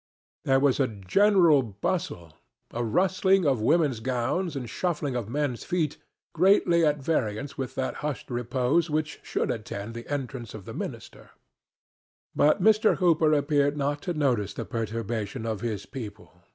There was a general bustle, a rustling of the women's gowns and shuffling of the men's feet, greatly at variance with that hushed repose which should attend the entrance of the minister. But Mr. Hooper appeared not to notice the perturbation of his people.